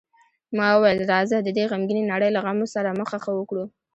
ما وویل: راځه، د دې غمګینې نړۍ له غمو سره مخه ښه وکړو.